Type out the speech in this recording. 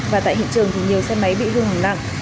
và tại hiện trường thì nhiều xe máy bị hư hỏng nặng